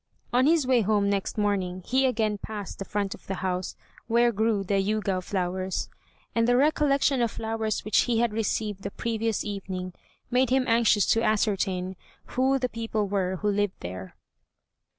On his way home next morning he again passed the front of the house, where grew the Yûgao flowers, and the recollection of flowers which he had received the previous evening, made him anxious to ascertain who the people were who lived there.